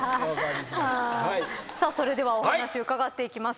さあそれではお話伺っていきます。